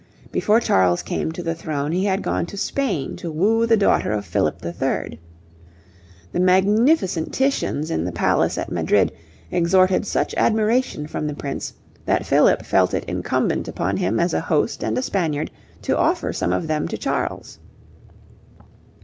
Before Charles came to the throne he had gone to Spain to woo the daughter of Philip III. The magnificent Titians in the palace at Madrid extorted such admiration from the Prince that Philip felt it incumbent upon him as a host and a Spaniard to offer some of them to Charles.